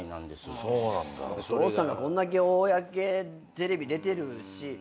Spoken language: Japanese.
お父さんがこんだけ公テレビ出てるし。